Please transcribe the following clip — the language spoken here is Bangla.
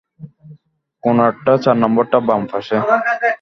কোণারটা চার নাম্বারটা বাম পাশে?